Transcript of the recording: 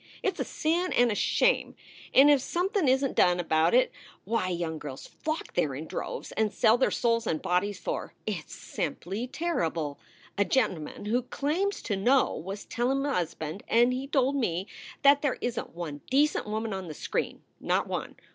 " It s a sin and a shame, and if something isn t done about i88 SOULS FOR SALE it Why, young girls flock there in droves, and sell their souls and bodies for It s simply terrible. "A gent man who claims to know was telling m usband and he told me that there isn t one decent woman on the screen not one.